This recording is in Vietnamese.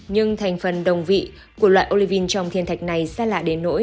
nhưng thành phần đồng vị của loại olivine trong thiên thạch này xa lạ đến nỗi